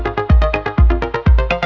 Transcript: jagaan kok aku sih